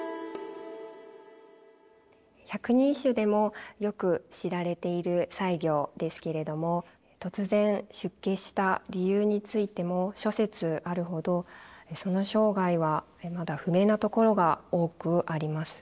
百人一首でもよく知られている西行ですけれども突然出家した理由についても諸説あるほどその生涯はまだ不明なところが多くあります。